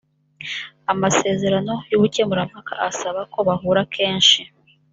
amasezerano y‘ubukemurampaka asaba ko bahura kenshi